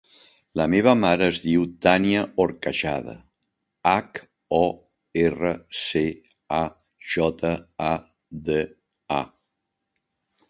La meva mare es diu Tània Horcajada: hac, o, erra, ce, a, jota, a, de, a.